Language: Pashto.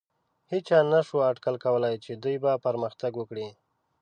هېچا نهشو اټکل کولی، چې دوی به پرمختګ وکړي.